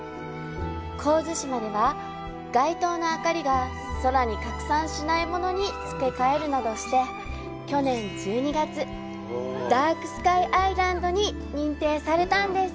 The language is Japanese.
神津島では、街灯の明かりが空に拡散しないものに付け替えるなど島をあげて取り組み去年１２月ダークスカイ・アイランドとして認定されたんです。